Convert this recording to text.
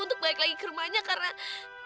untuk balik lagi ke rumahnya karena